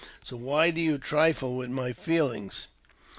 So why do you trifle with my feelings?